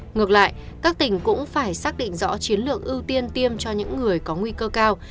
ngược lại các tỉnh cũng phải xác định rõ chiến lược ưu tiên tiêm cho những người có nguy cơ cao